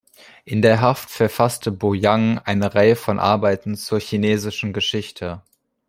In der Haft verfasste Bo Yang eine Reihe von Arbeiten zur chinesischen Geschichte.